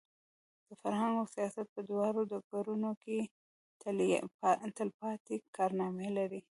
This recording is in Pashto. د فرهنګ او سیاست په دواړو ډګرونو کې تلپاتې کارنامې لري.